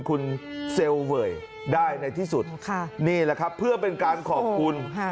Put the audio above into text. คุณเซลล์เวยได้ในที่สุดนี่แหละครับเพื่อเป็นการขอบคุณ